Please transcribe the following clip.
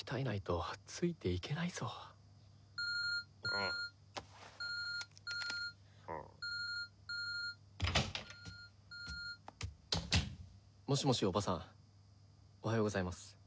タッもしもし叔母さんおはようございます。